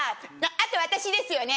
あと私ですよね